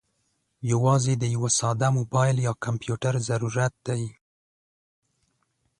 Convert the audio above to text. یوازې د یوه ساده موبايل یا کمپیوټر ضرورت دی.